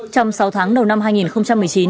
trong sáu tháng đầu năm hai nghìn một mươi chín